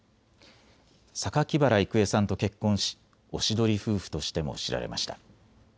榊原郁恵さんと結婚しおしどり夫婦としても知られました。